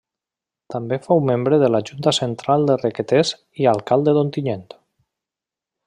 També fou membre de la Junta Central de Requetés i alcalde d'Ontinyent.